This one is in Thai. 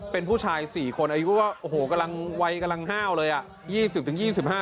เป็นผู้ชาย๔คนอายุว่าโอ้โหกำลังวัยกำลังห้าวเลยอ่ะ